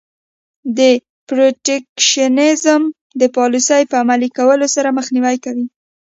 د protectionism د پالیسۍ په عملي کولو سره مخنیوی کوي.